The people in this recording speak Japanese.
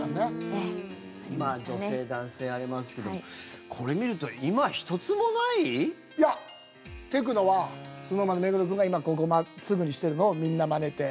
女性、男性ありますけどいや、テクノはＳｎｏｗＭａｎの目黒君がここ、真っすぐにしてるのをみんなまねて。